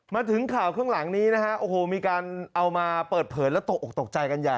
มาถึงข่าวข้างหลังนี้นะฮะโอ้โหมีการเอามาเปิดเผยแล้วตกออกตกใจกันใหญ่